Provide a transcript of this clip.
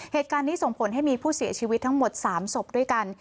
เหตุการณ์นี้ส่งผลให้มีผู้เสียชีวิตทั้งหมด๓ศพด้วยกัน